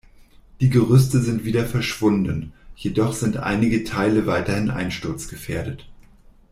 Die Gerüste sind wieder verschwunden, jedoch sind einige Teile weiterhin einsturzgefährdet.